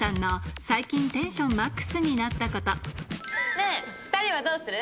ねぇ２人はどうする？